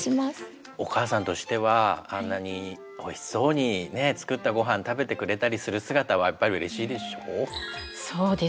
お母さんとしてはあんなにおいしそうにね作ったご飯食べてくれたりする姿はやっぱりうれしいでしょう？